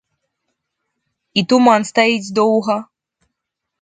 І туман стаіць доўга!